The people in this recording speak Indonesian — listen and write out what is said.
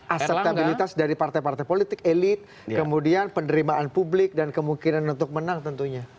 aseptabilitas dari partai partai politik elit kemudian penerimaan publik dan kemungkinan untuk menang tentunya